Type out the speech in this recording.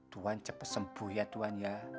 tuan cepat sembuh ya tuan ya